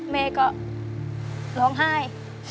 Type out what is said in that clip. แม่ก็ร้องไห้